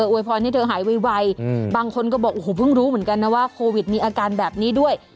วยพรให้เธอหายไวบางคนก็บอกโอ้โหเพิ่งรู้เหมือนกันนะว่าโควิดมีอาการแบบนี้ด้วย